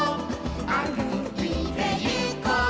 「あるいてゆこう」